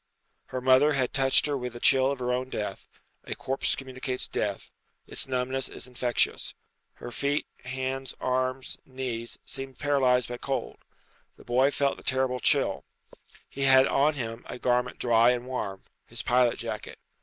Her mother had touched her with the chill of her own death a corpse communicates death; its numbness is infectious. Her feet, hands, arms, knees, seemed paralyzed by cold. The boy felt the terrible chill. He had on him a garment dry and warm his pilot jacket.